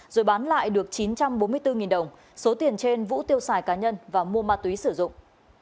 rồi bán lại được chín trăm bốn mươi bốn đồng số tiền trên vũ tiêu xài cá nhân và mua ma túy sử dụng